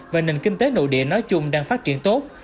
và nền kinh tế nội địa nói chung đang phát triển tốt